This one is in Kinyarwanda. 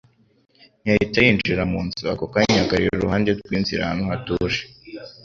Ntiyahita yinjira mu nzu ako kanya, ahagarara inihande rw'inzira ahantu hatuje.